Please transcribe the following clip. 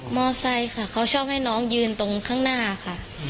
ไซค์ค่ะเขาชอบให้น้องยืนตรงข้างหน้าค่ะ